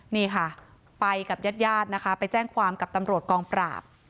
นี่ค่ะไปกับญาติญาตินะคะไปแจ้งความกับตำรวจกองปราบ